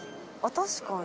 確かに。